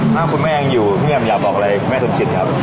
ถ้าคุณแม่ยังอยู่พี่แอมอยากบอกอะไรแม่สมจิตครับ